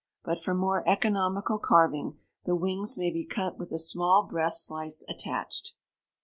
But for more economical carving, the wings may be cut with a small breast slice attached.